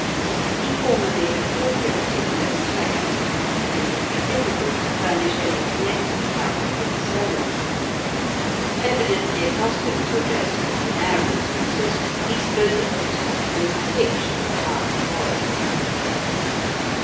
He formally appropriated no text, and it would be difficult to furnish any connected account of his sermon. Evidently accustomed to address open air audiences, he spoke at the topmost pitch of a powerful voice.